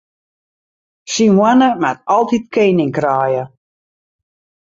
Syn hoanne moat altyd kening kraaie.